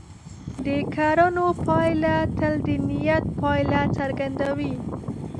د کړنو پایله تل د نیت پایله څرګندوي.